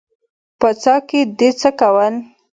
_په څاه کې دې څه کول؟